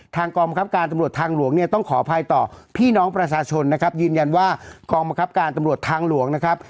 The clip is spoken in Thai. กองบังคับการตำรวจทางหลวงเนี่ยต้องขออภัยต่อพี่น้องประชาชนนะครับยืนยันว่ากองบังคับการตำรวจทางหลวงนะครับ